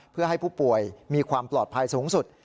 เพื่อให้ผู้ป่วยมีความปลอดภัยสูงสุด